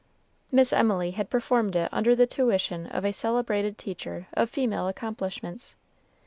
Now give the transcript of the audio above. Miss Emily had performed it under the tuition of a celebrated teacher of female accomplishments.